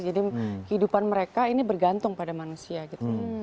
jadi kehidupan mereka ini bergantung pada manusia gitu